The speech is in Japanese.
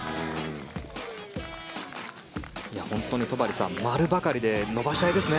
本当に戸張さん丸ばかりで伸ばし合いですね。